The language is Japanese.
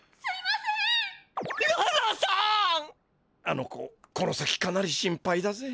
あの子この先かなり心配だぜ。